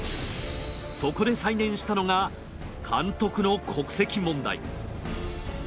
そこで再燃したのが監督の国籍問題。